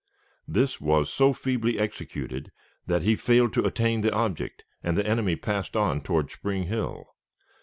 This was so feebly executed that he failed to attain the object, and the enemy passed on toward Spring Hill.